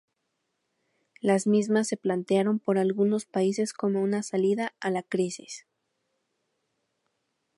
Las mismas se plantearon por algunos países como una salida a la crisis.